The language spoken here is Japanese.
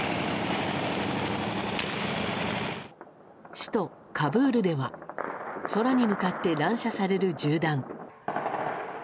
首都カブールでは空に向かって乱射される銃弾。